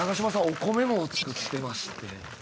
お米も作ってまして。